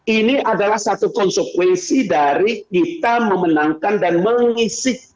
ini adalah satu konsekuensi dari kita memenangkan dan mengisi